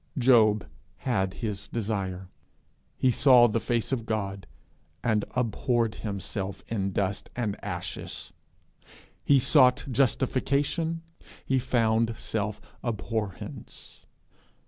Job had his desire: he saw the face of God and abhorred himself in dust and ashes. He sought justification; he found self abhorrence.